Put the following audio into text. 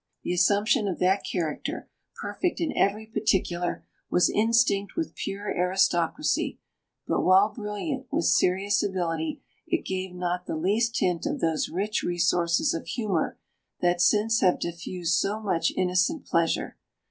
The assumption of that character, perfect in every particular, was instinct with pure aristocracy; but while brilliant with serious ability it gave not the least hint of those rich resources of humour that since have diffused so much innocent pleasure.